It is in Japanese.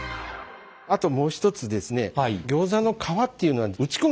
あともう一つですね